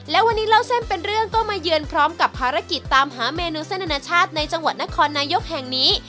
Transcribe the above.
และวันนี้เล่าเส้นเป็นเรื่องก็มาเยือนพร้อมกับภารกิจตามหาเมนูเส้นอนาชาติในจังหวัดนครนายกแห่งนี้